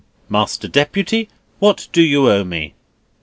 Master Deputy, what do you owe me?"